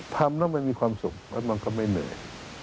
ทำแล้วมันมีความสุขแล้วมันก็ไม่เหนื่อย